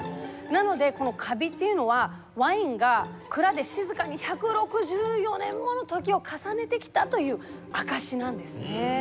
なのでこのカビっていうのはワインが蔵で静かに１６４年もの時を重ねてきたという証しなんです。